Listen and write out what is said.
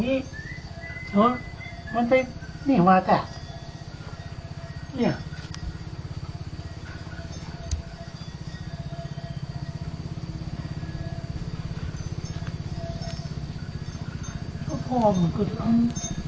นี่หรอมันเป็นนี่มาแก่เนี่ย